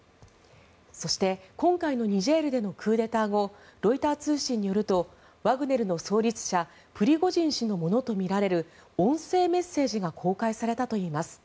そして、今回のニジェールでのクーデター後ロイター通信によるとワグネルの創立者プリゴジン氏のものとみられる音声メッセージが公開されたといいます。